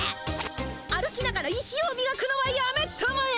歩きながら石をみがくのはやめたまえ！